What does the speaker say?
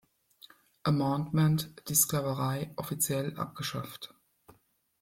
Amendment die Sklaverei offiziell abgeschafft.